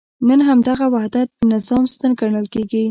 نن همدغه وحدت د نظام ستن ګڼل کېږي.